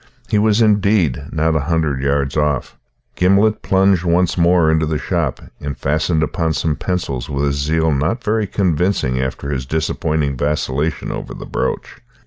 He was, indeed, not a hundred yards off. Gimblet plunged once more into the shop, and fastened upon some pencils with a zeal not very convincing after his disappointing vacillation over the brooch.